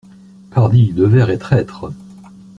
Pardi ! le verre est traître.